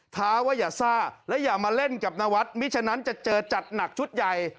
ท้าว่าอย่าซ่าและอย่ามาเล่นกับนวัดมิฉะนั้นจะเจอจัดหนักชุดใหญ่